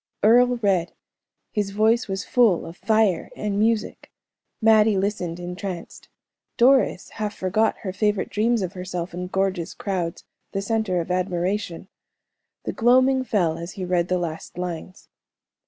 Earle read; his voice was full of fire and music. Mattie listened entranced. Doris half forgot her favorite dreams of herself in gorgeous crowds, the center of admiration. The gloaming fell as he read the last lines.